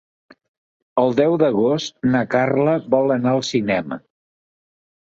El deu d'agost na Carla vol anar al cinema.